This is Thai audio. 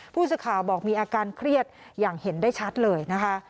ผู้สื่อข่าวบอกมีอาการเครียดอย่างเห็นได้ชัดเลยนะคะ